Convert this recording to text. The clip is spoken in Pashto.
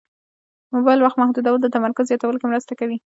د موبایل وخت محدودول د تمرکز زیاتولو کې مرسته کوي.